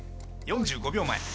４５秒前。